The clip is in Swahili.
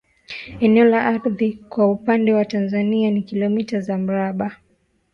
Eneo la ardhi kwa upande wa Tanzania ni kilometa za mraba